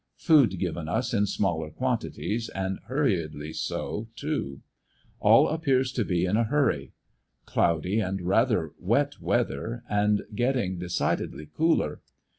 Food given us in smaller quantities, and hurriedly so too. All appears to be in a hurry. Cloudy, and rather wet weather, and getting decidedly cooler.